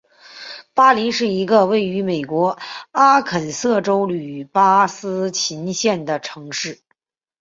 巴林是一个位于美国阿肯色州锡巴斯琴县的城市。